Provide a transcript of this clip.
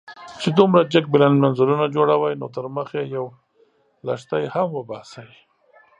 چې دومره جګ بلند منزلونه جوړوئ، نو تر مخ يې يو لښتی هم وباسئ.